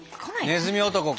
ねずみ男か？